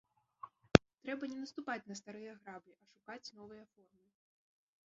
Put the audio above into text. Трэба не наступаць на старыя граблі, а шукаць новыя формы.